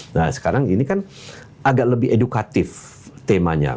nah sekarang ini kan agak lebih edukatif temanya